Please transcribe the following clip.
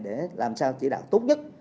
để làm sao chỉ đạo tốt nhất